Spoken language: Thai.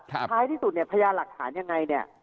ท้ายที่สุดเนี่ยพยานหลักฐานยังไงเนี่ย